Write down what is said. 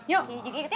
yuk ini juga ikut ya